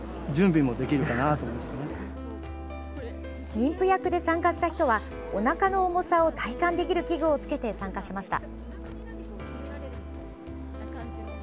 妊婦役で参加した人はおなかの重さを体感できる器具をつけて参加しました。